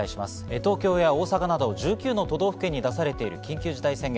東京や大阪など１９の都道府県に出されている緊急事態宣言。